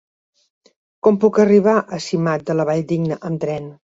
Com puc arribar a Simat de la Valldigna amb tren?